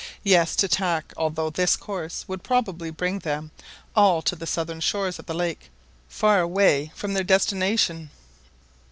Yes, to tack, although this course would probably bring them all to the southern shores of the lake, far away from their destination.